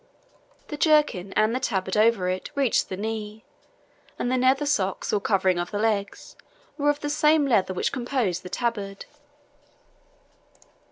The jerkin, and the tabard over it, reached the knee; and the nether stocks, or covering of the legs, were of the same leather which composed the tabard.